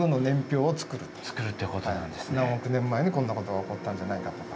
「何億年前にこんなことが起こったんじゃないか」とか。